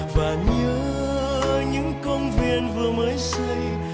và nhớ những công viên vừa mới xây